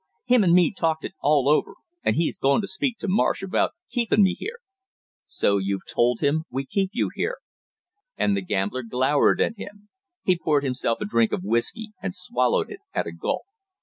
Him and me talked it all over, and he's goin' to speak to Marsh about keepin' me here!" "So you've told him we keep you here?" And the gambler glowered at him. He poured himself a drink of whisky and swallowed it at a gulp.